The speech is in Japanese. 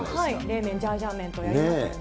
冷麺、ジャージャー麺とやりましたよね。